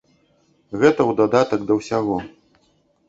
Гэта ў дадатак да ўсяго.